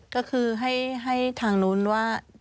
ก็คือให้ทางนู้นว่า